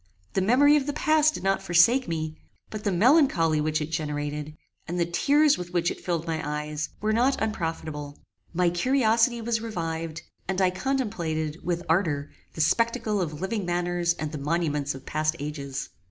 The memory of the past did not forsake me; but the melancholy which it generated, and the tears with which it filled my eyes, were not unprofitable. My curiosity was revived, and I contemplated, with ardour, the spectacle of living manners and the monuments of past ages.